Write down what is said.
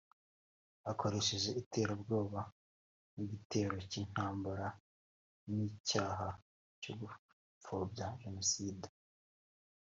hakoreshejwe iterabwoba n’igitero cy’intambara n’icyaha cyo gupfobya Jenoside